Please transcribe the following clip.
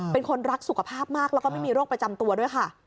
เป็นคนรักสุขภาพมากแล้วก็ไม่มีโรคประจำตัวด้วยค่ะ